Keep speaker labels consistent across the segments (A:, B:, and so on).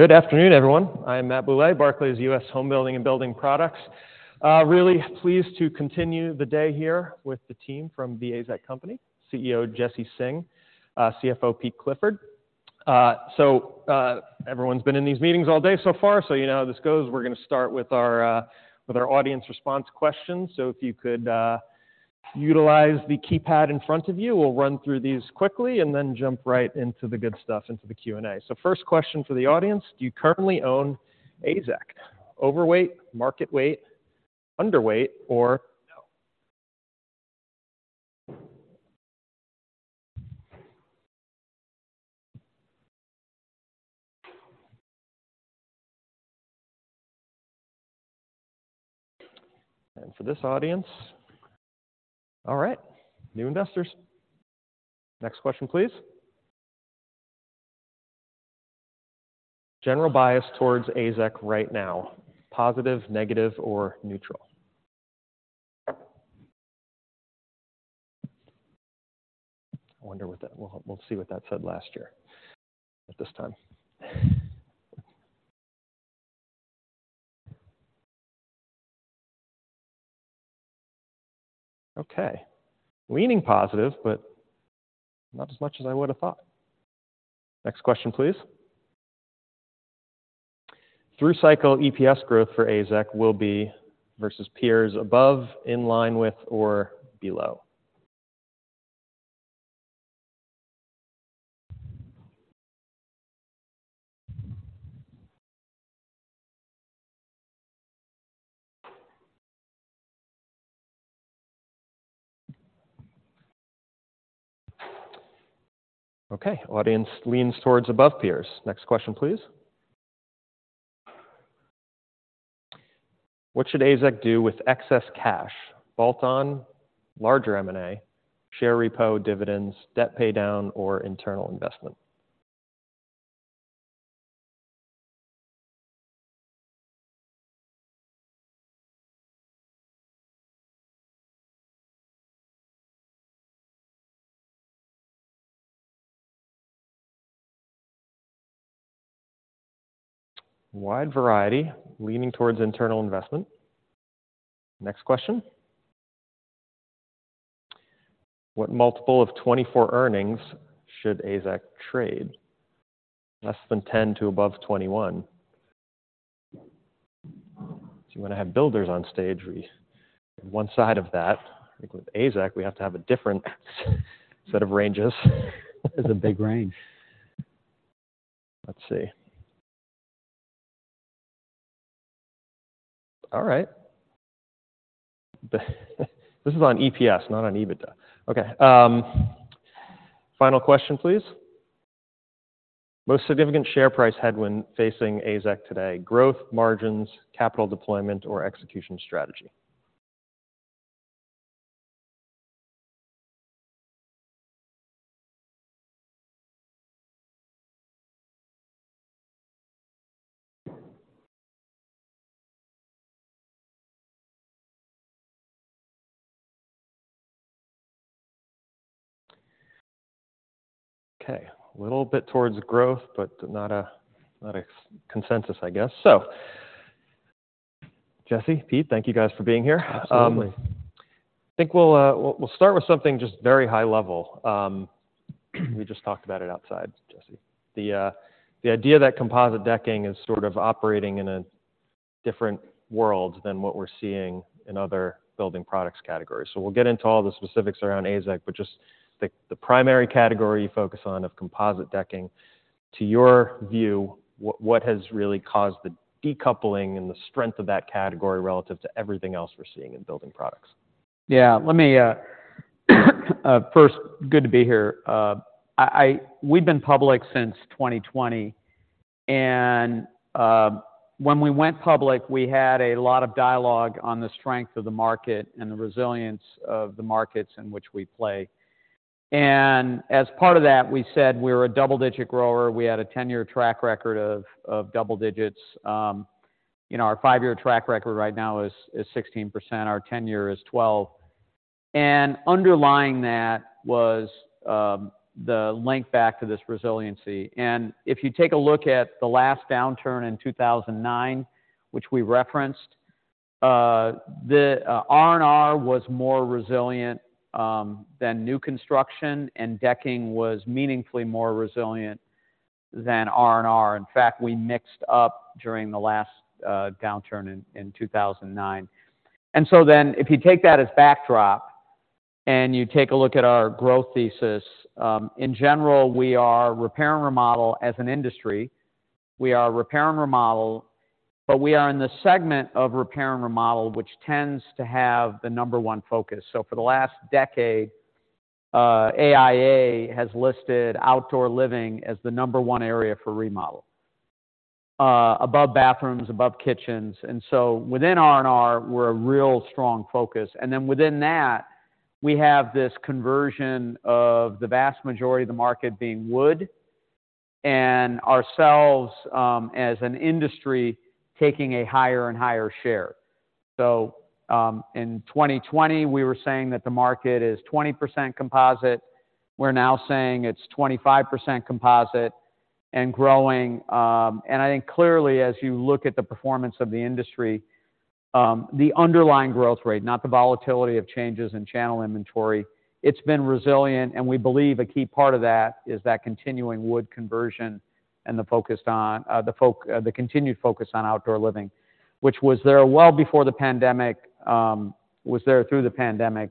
A: Good afternoon, everyone. I am Matthew Bouley, Barclays U.S. Homebuilding and Building Products. Really pleased to continue the day here with the team from The AZEK Company, CEO Jesse Singh, CFO Pete Clifford. So, everyone's been in these meetings all day so far, so you know how this goes. We're gonna start with our, with our audience response questions. So if you could, utilize the keypad in front of you, we'll run through these quickly and then jump right into the good stuff, into the Q&A. So first question for the audience: Do you currently own AZEK? Overweight, market weight, underweight, or no? And for this audience... All right, new investors. Next question, please. General bias towards AZEK right now: positive, negative, or neutral? I wonder what that-- we'll, we'll see what that said last year at this time. Okay, leaning positive, but not as much as I would've thought. Next question, please. Through cycle, EPS growth for AZEK will be, versus peers: above, in line with, or below? Okay, audience leans towards above peers. Next question, please. What should AZEK do with excess cash? Bolt-on, larger M&A, share repo, dividends, debt paydown, or internal investment? Wide variety, leaning towards internal investment. Next question: What multiple of 2024 earnings should AZEK trade? Less than 10 to above 21. So you wanna have builders on stage, we one side of that, I think with AZEK, we have to have a different set of ranges.
B: It's a big range.
A: Let's see. All right. This is on EPS, not on EBITDA. Okay, final question, please. Most significant share price headwind facing AZEK today: growth, margins, capital deployment, or execution strategy? Okay, a little bit towards growth, but not a consensus, I guess. So, Jesse, Pete, thank you guys for being here.
B: Absolutely.
A: I think we'll start with something just very high level. We just talked about it outside, Jesse. The idea that composite decking is sort of operating in a different world than what we're seeing in other building products categories. So we'll get into all the specifics around AZEK, but just the primary category you focus on of composite decking, to your view, what has really caused the decoupling and the strength of that category relative to everything else we're seeing in building products?
B: Yeah, let me first, good to be here. We've been public since 2020, and when we went public, we had a lot of dialogue on the strength of the market and the resilience of the markets in which we play. And as part of that, we said we're a double-digit grower. We had a 10-year track record of double digits. You know, our 5-year track record right now is 16%, our ten-year is 12%. And underlying that was the link back to this resiliency. And if you take a look at the last downturn in 2009, which we referenced, the R&R was more resilient than new construction, and decking was meaningfully more resilient than R&R. In fact, we mixed up during the last downturn in 2009. And so then, if you take that as backdrop and you take a look at our growth thesis, in general, we are repair and remodel as an industry. We are repair and remodel, but we are in the segment of repair and remodel, which tends to have the number one focus. So for the last decade, AIA has listed outdoor living as the number one area for remodel, above bathrooms, above kitchens. And so within R&R, we're a real strong focus. And then within that, we have this conversion of the vast majority of the market being wood, and ourselves, as an industry, taking a higher and higher share. So, in 2020, we were saying that the market is 20% composite. We're now saying it's 25% composite and growing. I think clearly, as you look at the performance of the industry, the underlying growth rate, not the volatility of changes in channel inventory, it's been resilient, and we believe a key part of that is that continuing wood conversion and the continued focus on outdoor living, which was there well before the pandemic, was there through the pandemic,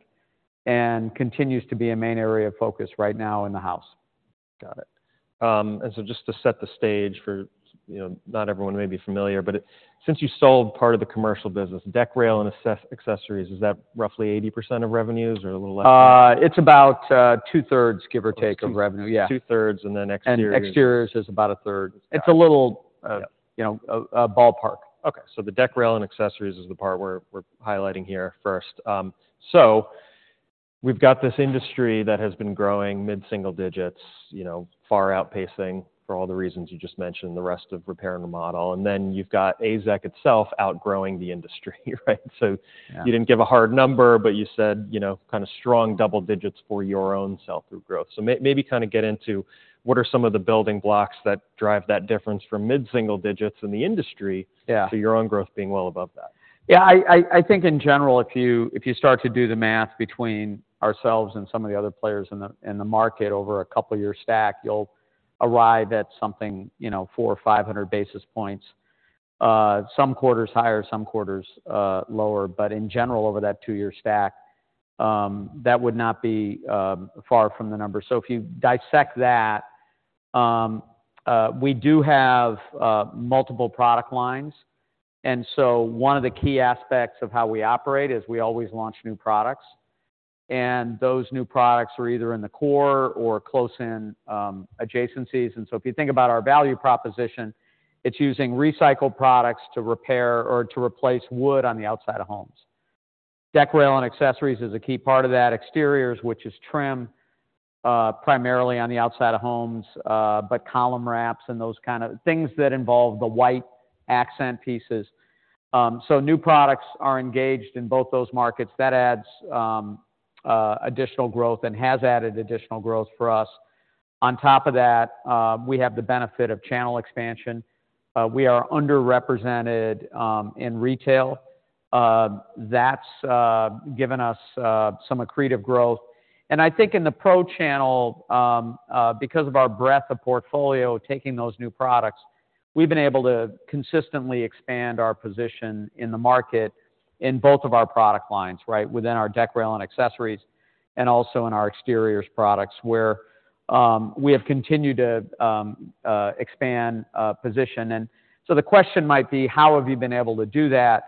B: and continues to be a main area of focus right now in the house.
A: Got it. And so just to set the stage for, you know, not everyone may be familiar, but since you sold part of the commercial business, deck rail and accessories, is that roughly 80% of revenues or a little less than?
B: It's about two-thirds, give or take, of revenues.
A: Two-thirds, and then exteriors.
B: Exteriors is about a third. It's a little.
A: Yeah.
B: You know, a ballpark.
A: Okay, so the deck rail and accessories is the part we're highlighting here first. So we've got this industry that has been growing mid-single digits, you know, far outpacing, for all the reasons you just mentioned, the rest of repair and remodel. And then you've got AZEK itself outgrowing the industry, right?
B: Yeah.
A: So you didn't give a hard number, but you said, you know, kind of strong double digits for your own sell-through growth. So maybe kind of get into, what are some of the building blocks that drive that difference from mid-single digits in the industry?
B: Yeah.
A: To your own growth being well above that?
B: Yeah, I think in general, if you start to do the math between ourselves and some of the other players in the market over a couple-year stack, you'll arrive at something, you know, 400 or 500 basis points. Some quarters higher, some quarters lower. But in general, over that two-year stack, that would not be far from the number. So if you dissect that, we do have multiple product lines, and so one of the key aspects of how we operate is we always launch new products. And those new products are either in the core or close in adjacencies. And so if you think about our value proposition, it's using recycled products to repair or to replace wood on the outside of homes. Deck rail and accessories is a key part of that. Exteriors, which is trim, primarily on the outside of homes, but column wraps and those kind of things that involve the white accent pieces. So new products are engaged in both those markets. That adds additional growth and has added additional growth for us. On top of that, we have the benefit of channel expansion. We are underrepresented in retail. That's given us some accretive growth. And I think in the pro channel, because of our breadth of portfolio, taking those new products, we've been able to consistently expand our position in the market in both of our product lines, right? Within our deck rail and accessories, and also in our exteriors products, where we have continued to expand position. And so the question might be: How have you been able to do that?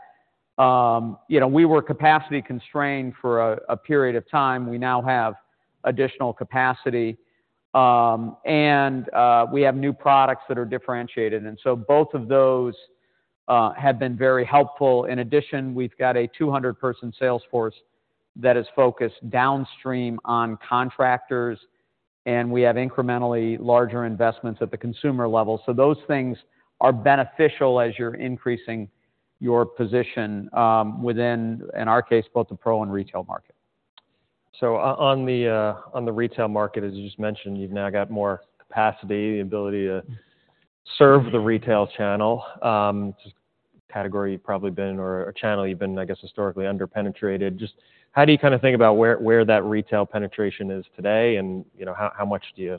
B: You know, we were capacity constrained for a period of time. We now have additional capacity, and we have new products that are differentiated, and so both of those have been very helpful. In addition, we've got a 200-person sales force that is focused downstream on contractors, and we have incrementally larger investments at the consumer level. So those things are beneficial as you're increasing your position, within, in our case, both the pro and retail market.
A: So on the retail market, as you just mentioned, you've now got more capacity, the ability to serve the retail channel. Just category you've probably been, or a channel you've been, I guess, historically underpenetrated. Just how do you kind of think about where, where that retail penetration is today, and, you know, how, how much do you,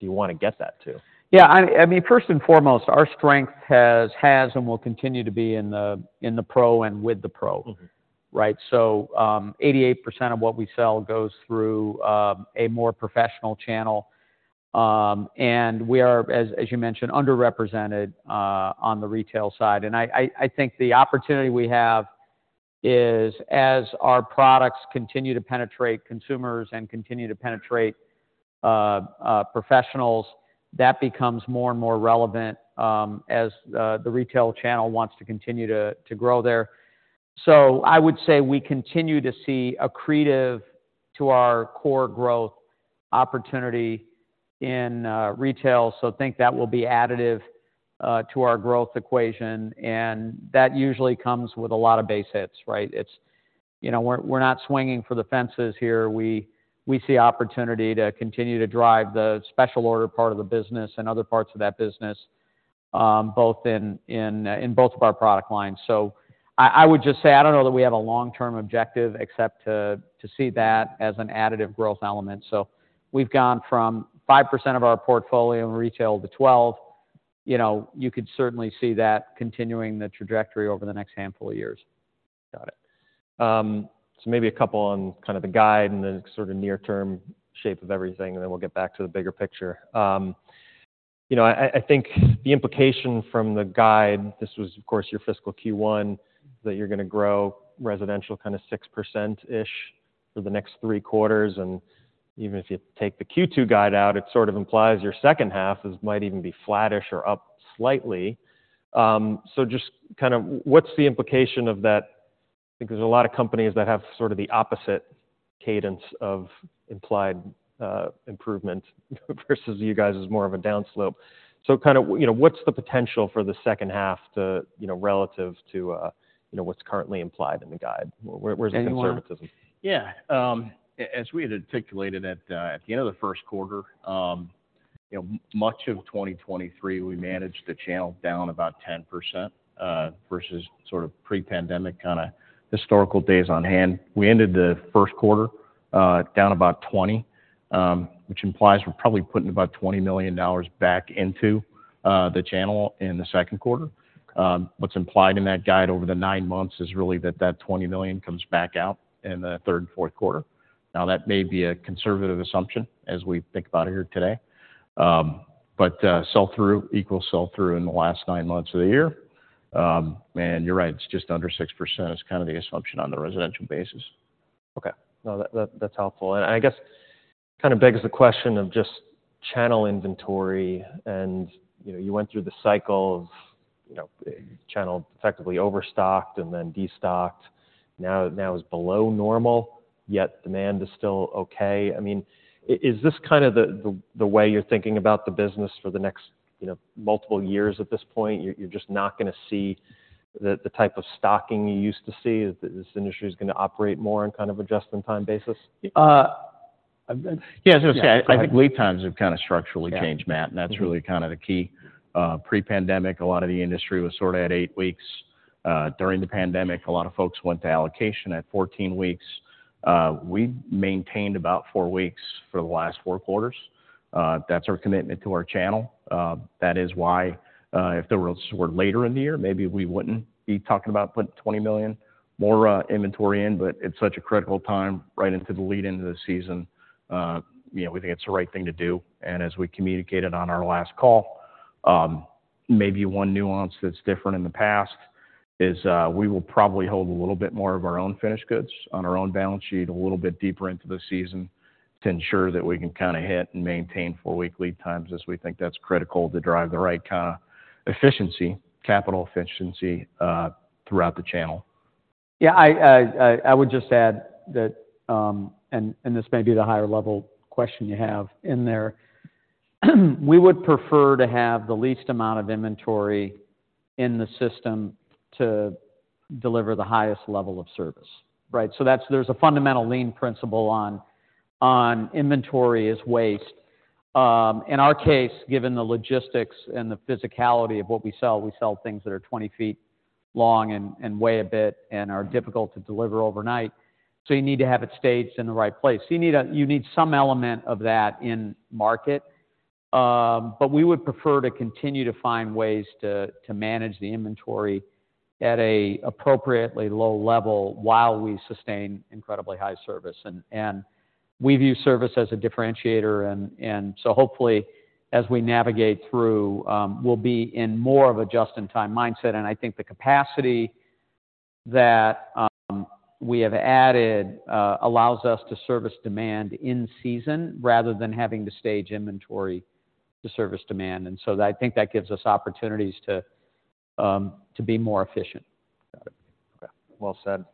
A: do you want to get that to?
B: Yeah, I mean, first and foremost, our strength has and will continue to be in the pro and with the pro.
A: Mm-hmm.
B: Right? So, 88% of what we sell goes through a more professional channel. And we are, as you mentioned, underrepresented on the retail side. And I think the opportunity we have is, as our products continue to penetrate consumers and continue to penetrate professionals, that becomes more and more relevant, as the retail channel wants to continue to grow there. So I would say we continue to see accretive to our core growth opportunity in retail, so think that will be additive to our growth equation, and that usually comes with a lot of base hits, right? It's, you know, we're not swinging for the fences here. We see opportunity to continue to drive the special order part of the business and other parts of that business, both in both of our product lines. So I would just say, I don't know that we have a long-term objective, except to see that as an additive growth element. So we've gone from 5% of our portfolio in retail to 12. You know, you could certainly see that continuing the trajectory over the next handful of years.
A: Got it. So maybe a couple on kind of the guide and then sort of near-term shape of everything, and then we'll get back to the bigger picture. You know, I think the implication from the guide, this was, of course, your fiscal Q1, that you're gonna grow residential kind of 6%-ish for the next three quarters, and even if you take the Q2 guide out, it sort of implies your second half is, might even be flattish or up slightly. So just kind of what's the implication of that? Because there's a lot of companies that have sort of the opposite cadence of implied improvement versus you guys is more of a downslope. So kind of, you know, what's the potential for the second half to, you know, relative to, you know, what's currently implied in the guide? Where's the conservatism?
C: Yeah, as we had articulated at the end of the first quarter, you know, much of 2023, we managed to channel down about 10%, versus sort of pre-pandemic kind of historical days on hand. We ended the first quarter down about 20, which implies we're probably putting about $20 million back into the channel in the second quarter. What's implied in that guide over the nine months is really that that $20 million comes back out in the third and fourth quarter. Now, that may be a conservative assumption, as we think about it here today. But sell-through, equal sell-through in the last nine months of the year. And you're right, it's just under 6% is kind of the assumption on the residential basis.
A: Okay. No, that's helpful. I guess kind of begs the question of just channel inventory and, you know, you went through the cycle of, you know, channel effectively overstocked and then destocked. Now is below normal, yet demand is still okay. I mean, is this kind of the way you're thinking about the business for the next, you know, multiple years at this point? You're just not gonna see the type of stocking you used to see. This industry is gonna operate more on kind of a just-in-time basis?
C: Yeah, I was gonna say.
B: Yeah, go ahead.
C: I think lead times have kind of structurally changed, Matt.
A: Yeah. Mm-hmm.
C: And that's really kind of the key. Pre-pandemic, a lot of the industry was sort of at eight weeks. During the pandemic, a lot of folks went to allocation at 14 weeks. We maintained about four weeks for the last four quarters. That's our commitment to our channel. That is why, if we were later in the year, maybe we wouldn't be talking about putting $20 million more inventory in, but it's such a critical time, right into the lead into the season. You know, we think it's the right thing to do. As we communicated on our last call, maybe one nuance that's different in the past is, we will probably hold a little bit more of our own finished goods on our own balance sheet, a little bit deeper into the season, to ensure that we can kind of hit and maintain four-week lead times, as we think that's critical to drive the right kind of efficiency, capital efficiency, throughout the channel.
B: Yeah, I would just add that—and this may be the higher-level question you have in there. We would prefer to have the least amount of inventory in the system to deliver the highest level of service, right? So that's—there's a fundamental lean principle on inventory is waste. In our case, given the logistics and the physicality of what we sell, we sell things that are 20 feet long and weigh a bit and are difficult to deliver overnight. So you need to have it staged in the right place. You need—you need some element of that in market. But we would prefer to continue to find ways to manage the inventory at a appropriately low level while we sustain incredibly high service. We view service as a differentiator, and so hopefully, as we navigate through, we'll be in more of a just-in-time mindset. And I think the capacity that we have added allows us to service demand in season, rather than having to stage inventory to service demand. And so I think that gives us opportunities to be more efficient.
A: Got it. Okay, well said.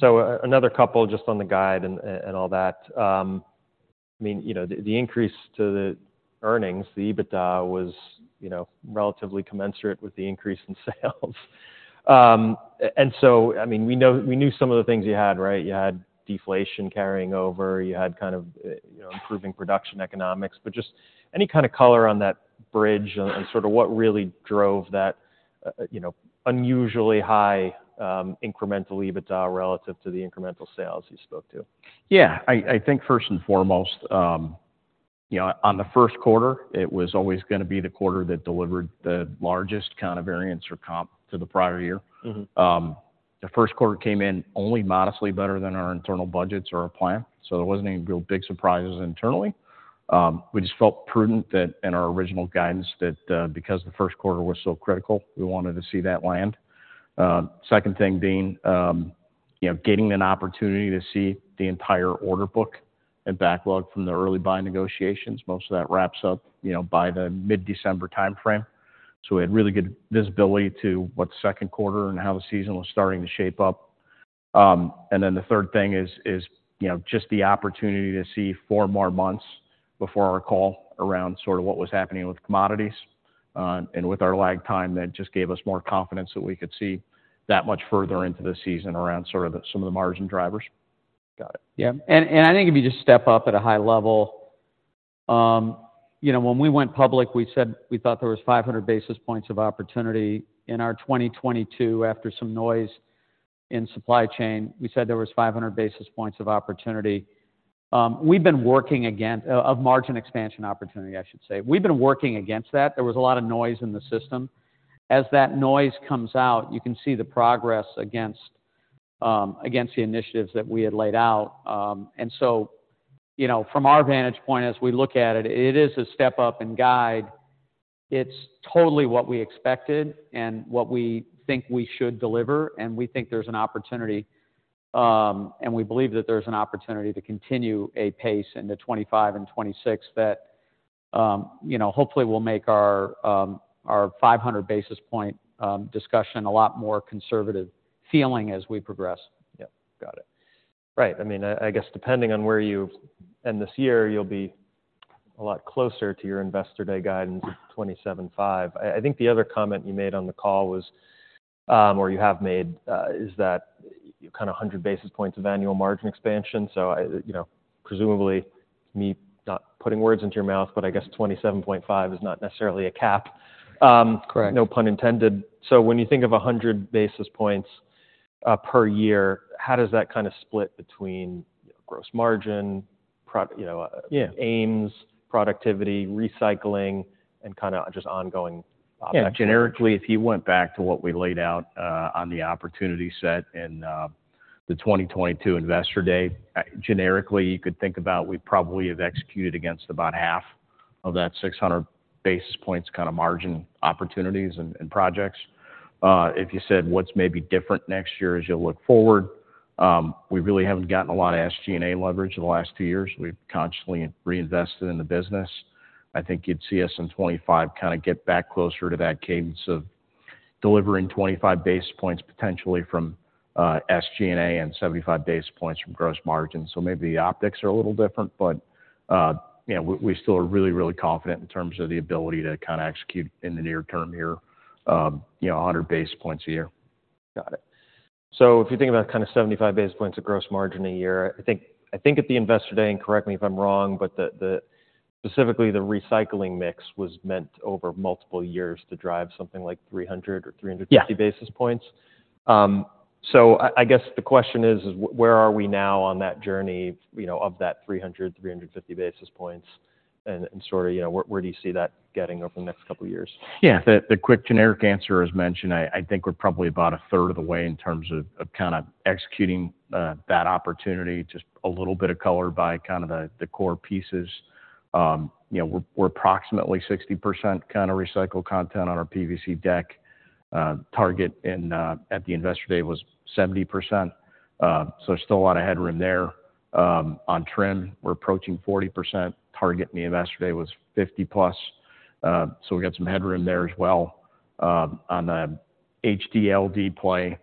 A: So another couple just on the guide and, and all that. I mean, you know, the, the increase to the earnings, the EBITDA was, you know, relatively commensurate with the increase in sales. And so, I mean, we know- we knew some of the things you had, right? You had deflation carrying over, you had kind of, you know, improving production economics, but just any kind of color on that bridge and, and sort of what really drove that, you know, unusually high, incremental EBITDA relative to the incremental sales you spoke to?
C: Yeah, I think first and foremost, you know, on the first quarter, it was always gonna be the quarter that delivered the largest kind of variance or comp to the prior year.
A: Mm-hmm.
C: The first quarter came in only modestly better than our internal budgets or our plan, so there wasn't any real big surprises internally. We just felt prudent that in our original guidance, that, because the first quarter was so critical, we wanted to see that land. Second thing being, you know, getting an opportunity to see the entire order book and backlog from the early buying negotiations. Most of that wraps up, you know, by the mid-December timeframe. So we had really good visibility to what the second quarter and how the season was starting to shape up. And then the third thing is, you know, just the opportunity to see four more months before our call around sort of what was happening with commodities. With our lag time, that just gave us more confidence that we could see that much further into the season around sort of the some of the margin drivers.
A: Got it.
B: Yeah, and I think if you just step up at a high level, you know, when we went public, we said we thought there was 500 basis points of opportunity. In our 2022, after some noise in supply chain, we said there was 500 basis points of opportunity. We've been working on margin expansion opportunity, I should say. We've been working against that. There was a lot of noise in the system. As that noise comes out, you can see the progress against the initiatives that we had laid out. And so, you know, from our vantage point, as we look at it, it is a step up in guide. It's totally what we expected and what we think we should deliver, and we think there's an opportunity, and we believe that there's an opportunity to continue a pace into 25 and 26 that you know, hopefully will make our 500 basis point discussion a lot more conservative feeling as we progress.
A: Yep, got it. Right, I mean, I guess depending on where you end this year, you'll be a lot closer to your investor day guidance of $27.5. I think the other comment you made on the call was, or you have made, is that you're kind of 100 basis points of annual margin expansion. So I, you know, presumably, me not putting words into your mouth, but I guess $27.5 is not necessarily a cap.
B: Correct.
A: No pun intended. So when you think of 100 basis points per year, how does that kind of split between gross margin, you know,
B: Yeah
A: AIMS, productivity, recycling, and kind of just ongoing operations?
B: Yeah, generically, if you went back to what we laid out on the opportunity set in the 2022 Investor Day, generically, you could think about we probably have executed against about half of that 600-basis points kind of margin opportunities and, and projects. If you said, what's maybe different next year as you look forward, we really haven't gotten a lot of SG&A leverage in the last two years. We've constantly reinvested in the business. I think you'd see us in 2025 kind of get back closer to that cadence of delivering 25 basis points, potentially from SG&A, and 75 basis points from gross margin. So maybe the optics are a little different, but, you know, we, we still are really, really confident in terms of the ability to kind of execute in the near term here, you know, 100 basis points a year.
A: Got it. So if you think about kind of 75 basis points of gross margin a year, I think, I think at the Investor Day, and correct me if I'm wrong, but the specifically, the recycling mix was meant over multiple years to drive something like 300 or 300.
B: Yeah.
A: 50 basis points. So I guess the question is: where are we now on that journey, you know, of that 300-350 basis points? And sort of, you know, where do you see that getting over the next couple of years?
C: Yeah. The quick generic answer, as mentioned, I think we're probably about a third of the way in terms of kind of executing that opportunity. Just a little bit of color by kind of the core pieces. You know, we're approximately 60% kind of recycled content on our PVC deck target, and at the Investor Day was 70%. So there's still a lot of headroom there. On trim, we're approaching 40%. Target in the Investor Day was 50+, so we've got some headroom there as well. On the HDPE play,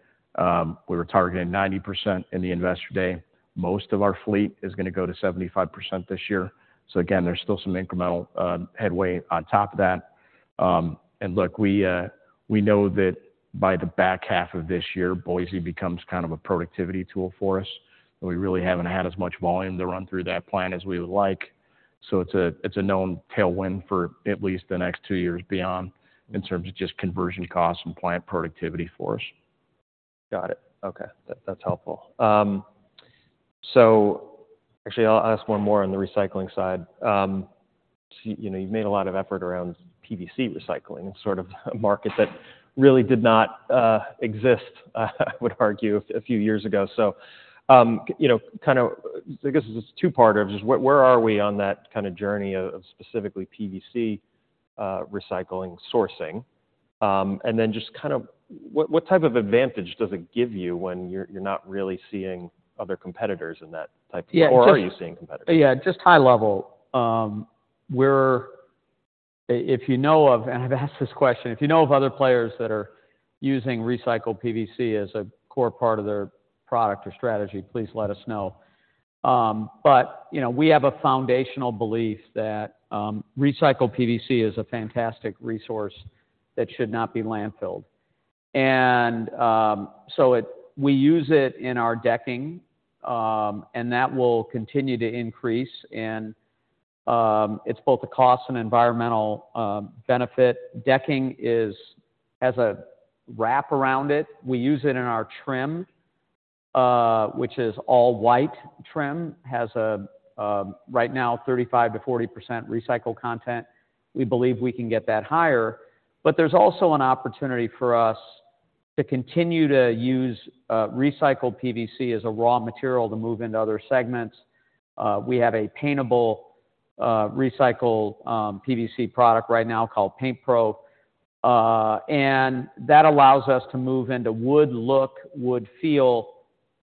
C: we were targeting 90% in the Investor Day. Most of our fleet is gonna go to 75% this year. So again, there's still some incremental headway on top of that. And look, we know that by the back half of this year, Boise becomes kind of a productivity tool for us, and we really haven't had as much volume to run through that plant as we would like. So it's a, it's a known tailwind for at least the next two years beyond in terms of just conversion costs and plant productivity for us.
A: Got it. Okay. That's helpful. So actually I'll ask one more on the recycling side. So, you know, you've made a lot of effort around PVC recycling, sort of a market that really did not exist, I would argue, a few years ago. So, you know, kind of, I guess this is a two-parter. Just where, where are we on that kind of journey of, of specifically PVC recycling sourcing? And then just kind of what, what type of advantage does it give you when you're, you're not really seeing other competitors in that type of.
B: Yeah, just.
A: Or are you seeing competitors?
B: Yeah, just high level. If you know of, and I've asked this question, if you know of other players that are using recycled PVC as a core part of their product or strategy, please let us know. But, you know, we have a foundational belief that recycled PVC is a fantastic resource that should not be landfilled. And, so we use it in our decking, and that will continue to increase, and it's both a cost and environmental benefit. Decking has a wrap around it. We use it in our trim, which is all white trim, has a right now 35%-40% recycled content. We believe we can get that higher. But there's also an opportunity for us to continue to use recycled PVC as a raw material to move into other segments. We have a paintable, recycled PVC product right now called PaintPro. And that allows us to move into wood look, wood feel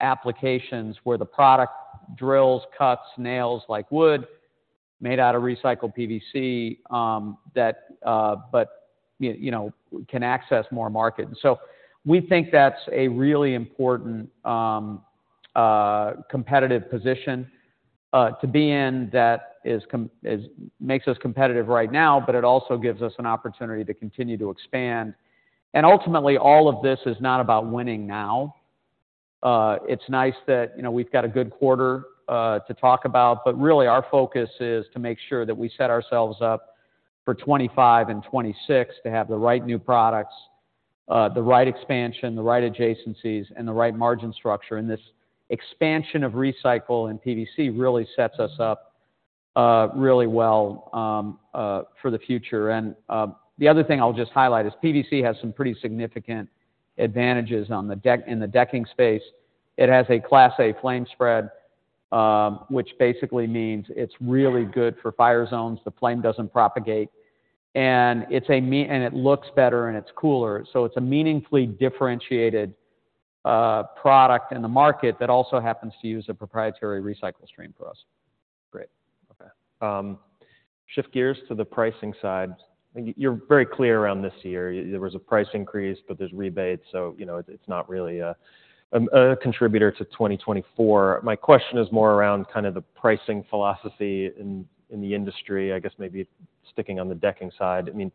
B: applications, where the product drills, cuts, nails like wood, made out of recycled PVC, but you know, can access more market. So we think that's a really important competitive position to be in that makes us competitive right now, but it also gives us an opportunity to continue to expand. Ultimately, all of this is not about winning now. It's nice that, you know, we've got a good quarter to talk about, but really our focus is to make sure that we set ourselves up for 2025 and 2026 to have the right new products, the right expansion, the right adjacencies, and the right margin structure. This expansion of recycle and PVC really sets us up really well for the future. The other thing I'll just highlight is PVC has some pretty significant advantages in the decking space. It has a Class A flame spread, which basically means it's really good for fire zones. The flame doesn't propagate, and it looks better, and it's cooler. So it's a meaningfully differentiated product in the market that also happens to use a proprietary recycle stream for us.
A: Great. Okay, shift gears to the pricing side. You're very clear around this year. There was a price increase, but there's rebates, so, you know, it's not really a contributor to 2024. My question is more around kind of the pricing philosophy in the industry. I guess maybe sticking on the decking side. I mean,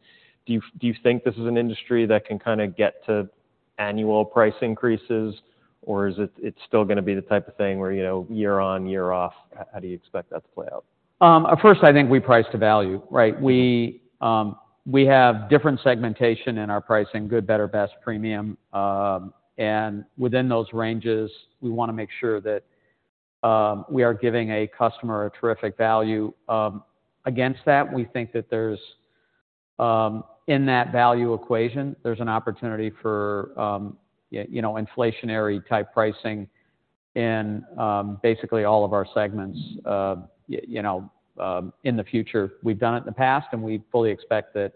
A: do you think this is an industry that can kind of get to annual price increases, or is it still gonna be the type of thing where, you know, year on, year off? How do you expect that to play out?
B: First, I think we price to value, right?
A: Mm-hmm.
B: We, we have different segmentation in our pricing: good, better, best, premium. Within those ranges, we wanna make sure that we are giving a customer a terrific value. Against that, we think that there's in that value equation, there's an opportunity for you know, inflationary-type pricing in basically all of our segments, you know, in the future. We've done it in the past, and we fully expect that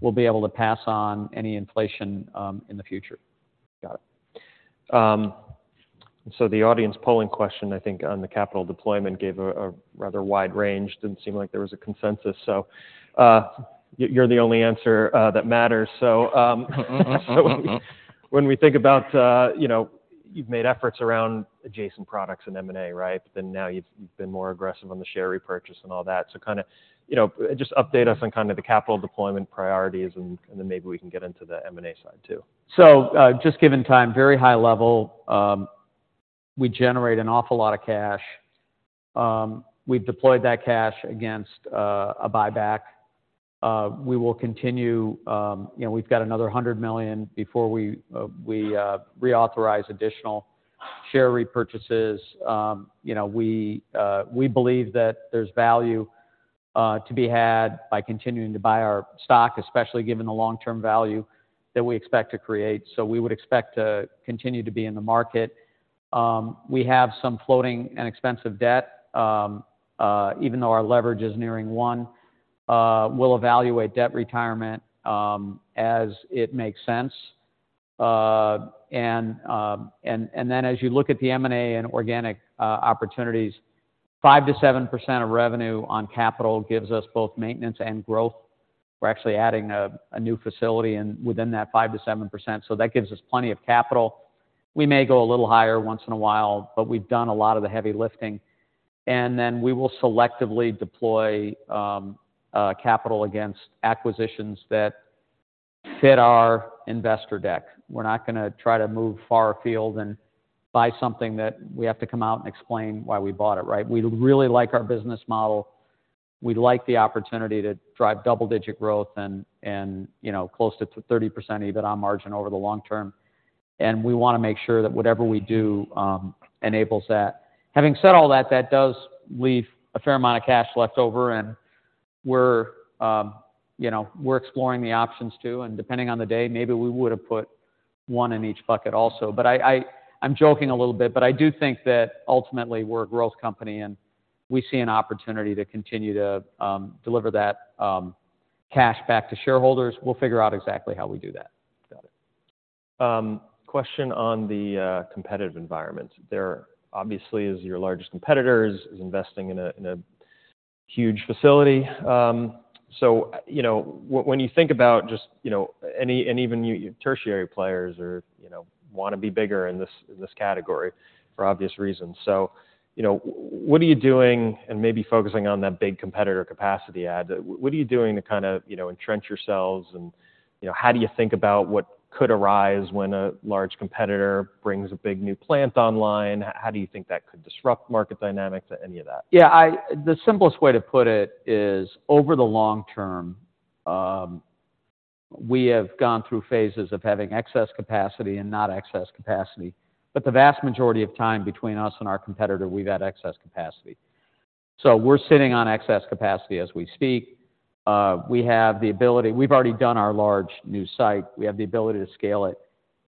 B: we'll be able to pass on any inflation in the future.
A: Got it. So the audience polling question, I think, on the capital deployment, gave a rather wide range. Didn't seem like there was a consensus. So, you're the only answer that matters. So, when we think about, you know, you've made efforts around adjacent products and M&A, right? But then now you've been more aggressive on the share repurchase and all that. So kind of, you know, just update us on kind of the capital deployment priorities, and then maybe we can get into the M&A side, too.
B: So, just giving time, very high level, we generate an awful lot of cash. We've deployed that cash against a buyback. We will continue, you know, we've got another $100 million before we reauthorize additional share repurchases. You know, we believe that there's value to be had by continuing to buy our stock, especially given the long-term value that we expect to create. So we would expect to continue to be in the market. We have some floating and expensive debt, even though our leverage is nearing one. We'll evaluate debt retirement as it makes sense. And then as you look at the M&A and organic opportunities, 5%-7% of revenue on capital gives us both maintenance and growth. We're actually adding a new facility and within that 5%-7%, so that gives us plenty of capital. We may go a little higher once in a while, but we've done a lot of the heavy lifting. And then we will selectively deploy capital against acquisitions that fit our investor deck. We're not gonna try to move far afield and buy something that we have to come out and explain why we bought it, right? We really like our business model. We like the opportunity to drive double-digit growth and, you know, close to thirty percent EBITDA margin over the long term. And we wanna make sure that whatever we do enables that. Having said all that, that does leave a fair amount of cash left over, and we're, you know, we're exploring the options, too. Depending on the day, maybe we would have put one in each bucket also. But I'm joking a little bit, but I do think that ultimately, we're a growth company, and we see an opportunity to continue to deliver that cash back to shareholders. We'll figure out exactly how we do that.
A: Got it. Question on the competitive environment. There obviously is your largest competitors is investing in a huge facility. So you know, when you think about just, you know, and even you tertiary players or, you know, wanna be bigger in this category for obvious reasons. So, you know, what are you doing and maybe focusing on that big competitor capacity ad, what are you doing to kind of, you know, entrench yourselves? And, you know, how do you think about what could arise when a large competitor brings a big new plant online? How do you think that could disrupt market dynamics or any of that?
B: Yeah, the simplest way to put it is, over the long term, we have gone through phases of having excess capacity and not excess capacity, but the vast majority of time between us and our competitor, we've had excess capacity. So we're sitting on excess capacity as we speak. We have the ability. We've already done our large new site. We have the ability to scale it.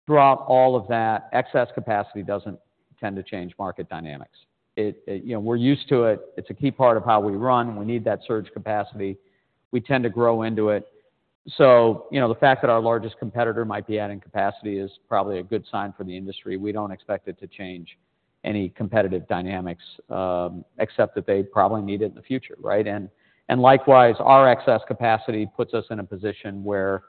B: Throughout all of that, excess capacity doesn't tend to change market dynamics. It, you know, we're used to it. It's a key part of how we run. We need that surge capacity. We tend to grow into it. So, you know, the fact that our largest competitor might be adding capacity is probably a good sign for the industry. We don't expect it to change any competitive dynamics, except that they probably need it in the future, right? Likewise, our excess capacity puts us in a position where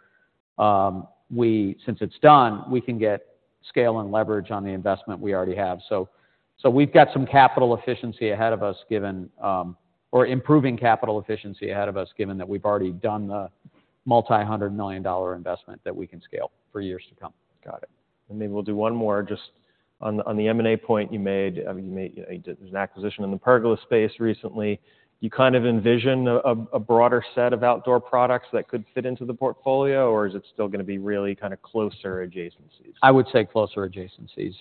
B: since it's done, we can get scale and leverage on the investment we already have. So we've got some capital efficiency ahead of us, given or improving capital efficiency ahead of us, given that we've already done the multi-hundred-million-dollar investment that we can scale for years to come.
A: Got it. And maybe we'll do one more just on the, on the M&A point you made. I mean, you made- there was an acquisition in the pergola space recently. You kind of envision a, a broader set of outdoor products that could fit into the portfolio, or is it still gonna be really kind of closer adjacencies?
B: I would say closer adjacencies.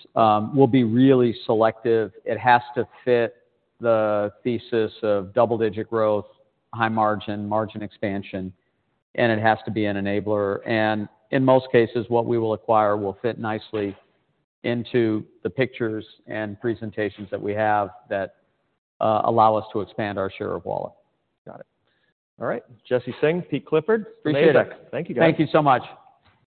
B: We'll be really selective. It has to fit the thesis of double-digit growth, high margin, margin expansion, and it has to be an enabler. And in most cases, what we will acquire will fit nicely into the pictures and presentations that we have that allow us to expand our share of wallet.
A: Got it. All right. Jesse Singh, Pete Clifford.
B: Appreciate it.
A: Thank you, guys.
B: Thank you so much.